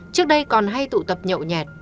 trước đây còn hay tụ tập nhậu nhẹt